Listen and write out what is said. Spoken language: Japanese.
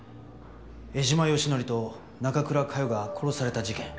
江島義紀と中倉佳世が殺された事件